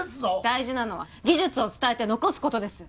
大事なのは技術を伝えて残すことです